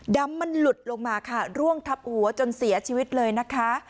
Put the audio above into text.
มันหลุดลงมาค่ะร่วงทับหัวจนเสียชีวิตเลยนะคะ